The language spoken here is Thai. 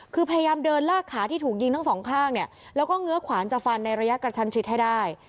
คือพยายามเดินลากขาที่ถูกยิงทั้งสองข้างเนี่ยแล้วก็เงื้อขวานจะฟันในระยะกระชันชิดให้ได้